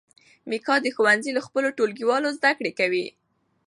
میکا د ښوونځي له خپلو ټولګیوالو زده کړې کوي.